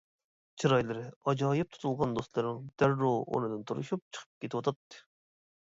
چىرايلىرى ئاجايىپ تۇتۇلغان دوستلىرىڭ دەررۇ ئورنىدىن تۇرۇشۇپ چىقىپ كېتىۋاتاتتى.